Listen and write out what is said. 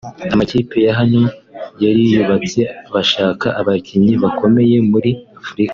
Amakipe ya hano yariyubatse bashaka abakinnyi bakomeye muri Afurika